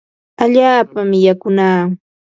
Allaapami yakunaa.